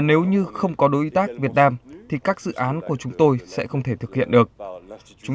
nếu như không có đối tác việt nam thì các dự án của chúng tôi sẽ không thể thực hiện được chúng